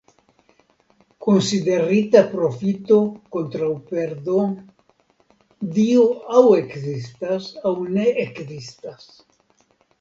Konsiderita profito kontraŭ perdo... Dio aŭ ekzistas aŭ ne ekzistas.